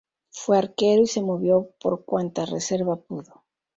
Fue arquero y se movió por cuanta reserva pudo.